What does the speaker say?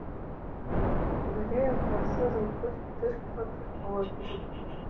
Komeleya Karsazên Kurd-Tirk hate avakirin